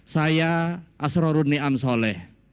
saya asrarunni amsoleh